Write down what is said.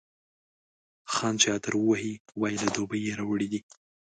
خان چي عطر ووهي، وايي له دوبۍ یې راوړی دی.